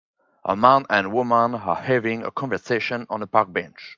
A man and woman are having a conversation on a park bench.